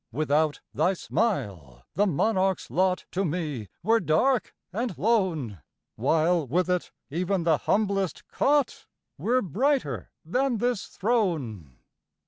Without thy smile, the monarch's lot To me were dark and lone, While, with it, even the humblest cot Were brighter than his throne.